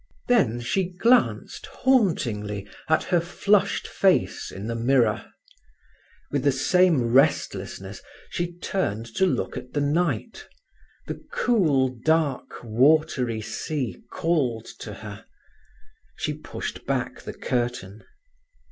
Then she glanced hauntingly at her flushed face in the mirror. With the same restlessness, she turned to look at the night. The cool, dark, watery sea called to her. She pushed back the curtain.